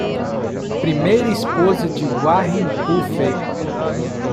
Primeira esposa de Warren Buffett.